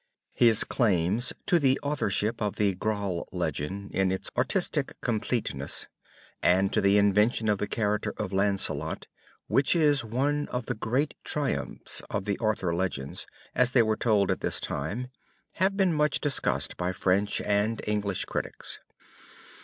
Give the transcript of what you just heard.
His claims to the authorship of the Graal legend in its artistic completeness and to the invention of the character of Lancelot, which is one of the great triumphs of the Arthur legends as they were told at this time, have been much discussed by French and English critics.